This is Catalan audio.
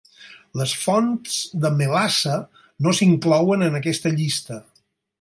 Les fonts de melassa no s'inclouen en aquesta llista.